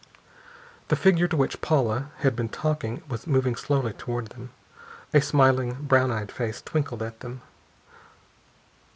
The figure to which Paula had been talking was moving slowly toward them. A smiling, brown eyed face twinkled at them.